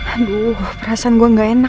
aduh perasaan gua nggak enak nih